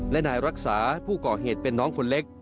และนายรักษาผู้ก่อเหตุเป็นน้องคนเล็ก